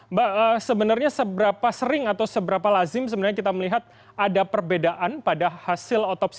mbak sebenarnya seberapa sering atau seberapa lazim sebenarnya kita melihat ada perbedaan pada hasil otopsi